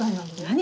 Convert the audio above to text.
何？